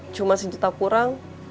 cuma sejuta kurang